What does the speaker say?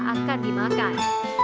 semoga tidak dimakan